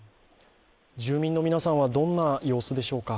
住民の皆さんはどんな様子でしょうか。